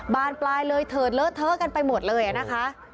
บานปลายเลยเถิดเลอะเทอะกันไปหมดเลยนะคะ